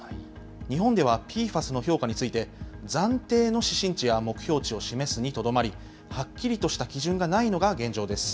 日本ではＰＦＡＳの評価について、暫定の指針値や目標値を示すにとどまり、はっきりとした基準がないのが現状です。